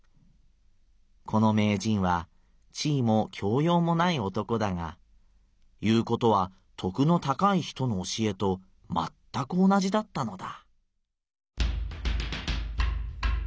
この名人は地いも教ようもない男だが言うことはとくの高い人の教えとまったく同じだったのだ」。